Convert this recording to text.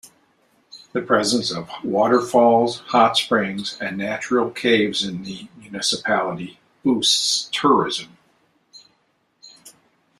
The presence of waterfalls, hot springs and natural caves in the municipality boosts tourism.